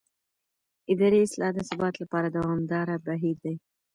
اداري اصلاح د ثبات لپاره دوامداره بهیر دی